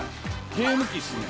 ゲーム機っすね。